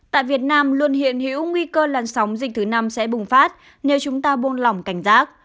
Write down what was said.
tại việt nam luôn hiện hữu nguy cơ làn sóng dịch thứ năm sẽ bùng phát nếu chúng ta buông lỏng cảnh giác